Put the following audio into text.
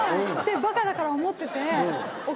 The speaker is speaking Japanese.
バカだから思ってて。